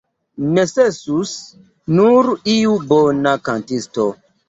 Necesus nur iu bona kantisto.